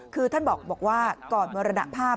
คือท่านบอกว่าก่อนมรณภาพ